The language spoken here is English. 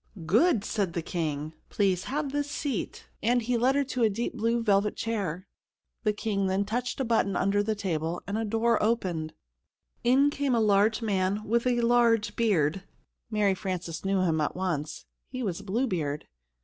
"Good!" said the King. "Please have this seat," and he led her to a deep blue velvet chair. The King then touched a button under the table, and a door opened. In came a large man with a large beard. Mary Frances knew him at once. He was Blue Beard.